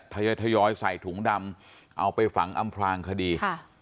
ทยอยใส่ถุงดำเอาไปฝังอำพลางคดี